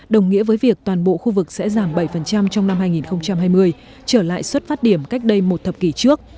đồng nghĩa với việc toàn bộ khu vực sẽ giảm bảy trong năm hai nghìn hai mươi trở lại xuất phát điểm cách đây một thập kỷ trước